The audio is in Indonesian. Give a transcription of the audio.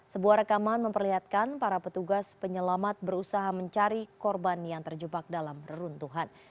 sebuah rekaman memperlihatkan para petugas penyelamat berusaha mencari korban yang terjebak dalam reruntuhan